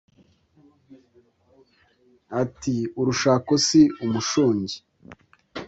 Ati " urushako si umushongi "